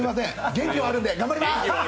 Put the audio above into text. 元気はあるんで、頑張ります！